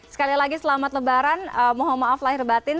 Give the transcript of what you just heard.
sekali lagi selamat lebaran mohon maaf lahir batin